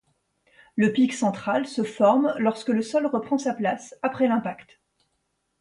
Le pic central se forme lorsque le sol reprend sa place après l'impact.